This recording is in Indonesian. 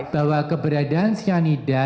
bahwa keberadaan cyanide